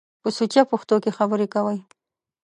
په سوچه پښتو کښ خبرې کوٸ۔